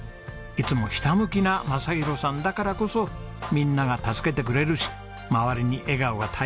いつもひたむきな正博さんだからこそみんなが助けてくれるし周りに笑顔が絶えないんですね。